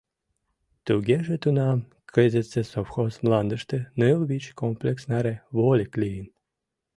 Тугеже тунам кызытсе совхоз мландыште ныл-вич комплекс наре вольык лийын.